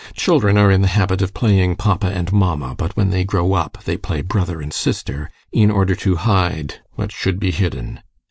Children are in the habit of playing papa and mamma, but when they grow up they play brother and sister in order to hide what should be hidden!